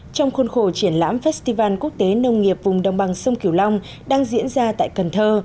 trong khuôn khổ triển lãm festival quốc tế nông nghiệp vùng đồng bằng sông kiều long đang diễn ra tại cần thơ